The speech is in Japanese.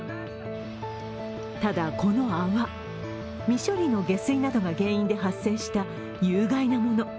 ただ、この泡、未処理の下水などが原因で発生した有害なもの。